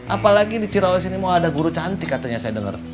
apalagi di cirawas ini mau ada guru cantik katanya saya dengar